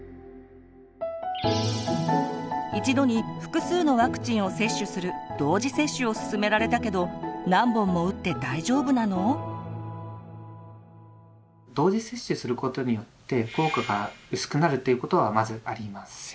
一度に複数のワクチンを接種する同時接種することによって効果が薄くなるということはまずありません。